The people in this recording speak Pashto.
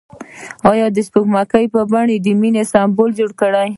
هغه د سپوږمۍ په بڼه د مینې سمبول جوړ کړ.